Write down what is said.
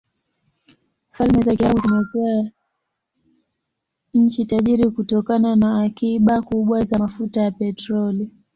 Falme za Kiarabu zimekuwa nchi tajiri kutokana na akiba kubwa za mafuta ya petroli.